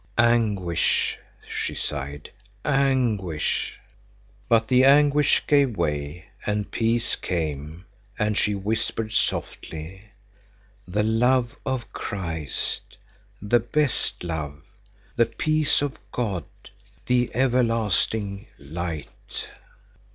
"Anguish!" she sighed, "anguish!" But the anguish gave way, and peace came, and she whispered softly: "The love of Christ—the best love—the peace of God—the everlasting light!"